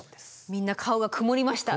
みんな顔が曇りました。